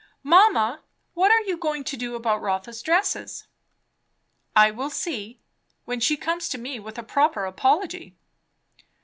"Mamma, what are you going to do about Rotha's dresses?" "I will see, when she comes to me with a proper apology."